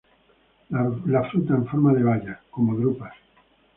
La fruta en forma de baya, como drupas.